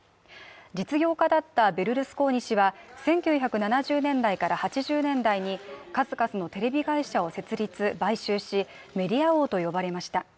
実業家だったベルルスコーニ氏は１９７０年代から８０年代に数々のテレビ会社を設立、買収し、メディア王と呼ばれました。